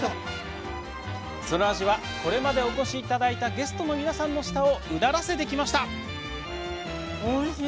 その味はこれまでお越しいただいたゲストの皆さんの舌をうならせてきました。